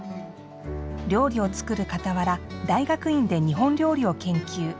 料理を作るかたわら大学院で日本料理を研究。